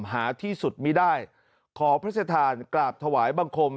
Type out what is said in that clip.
หาที่สุดไม่ได้ขอพระชธานกราบถวายบังคม